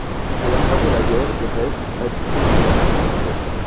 À la fin de la guerre, il reste habiter en Finlande.